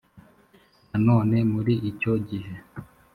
nanone muri icyo gihe